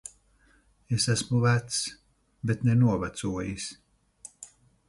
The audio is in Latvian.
Es esmu vecs. Bet ne novecojis.